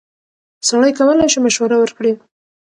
سړی کولی شي مشوره ورکړي.